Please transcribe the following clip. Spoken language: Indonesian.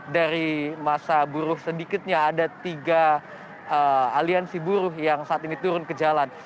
dari masa buruh sedikitnya ada tiga aliansi buruh yang saat ini turun ke jalan